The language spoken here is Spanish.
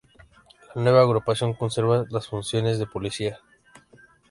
La nueva agrupación conserva las funciones de policía.